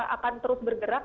akan terus bergerak